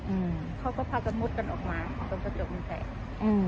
อืมเขาก็พากันมุดกันออกมาจนกระจกมันแตกอืม